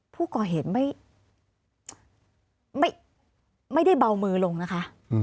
ผู้ก่อเหตุไม่ได้เบามือลงนะคะ